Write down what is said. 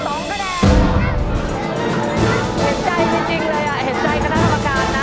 เห็นใจจริงเลยอ่ะเห็นใจคณะกรรมการนะ